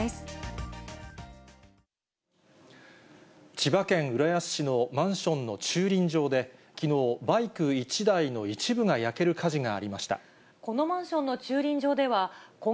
千葉県浦安市のマンションの駐輪場できのう、バイク１台の一部が焼ける火事がありました。